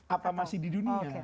apa masih di dunia